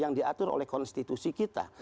yang terakhir adalah mempercayai konstitusi kita